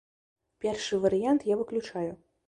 Першы варыянт я выключаю.